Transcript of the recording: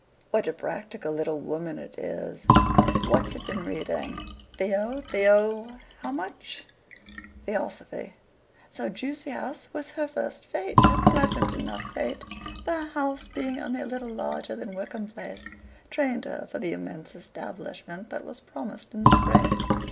"What a practical little woman it is! What's it been reading? Theo theo how much?" "Theosophy." So Ducie Street was her first fate a pleasant enough fate. The house, being only a little larger than Wickham Place, trained her for the immense establishment that was promised in the spring.